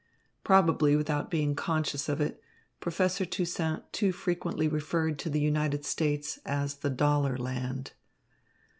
Probably without being conscious of it, Professor Toussaint too frequently referred to the United States as the dollar land.